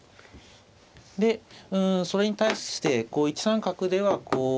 でそれに対して１三角では。